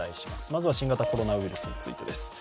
まずは新型コロナウイルスについてです。